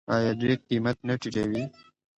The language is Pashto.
آیا دوی قیمت نه ټیټوي؟